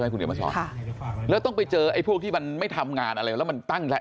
ค่ะแล้วต้องไปเจอไอ้พวกที่มันไม่ทำงานอะไรแล้วมันตั้งแหละ